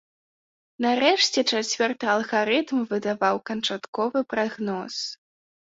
Нарэшце, чацвёрты алгарытм выдаваў канчатковы прагноз.